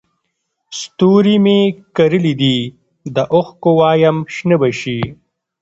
ستوري مې کرلي دي د اوښکو وایم شنه به شي